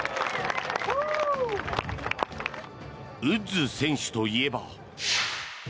ウッズ選手といえば。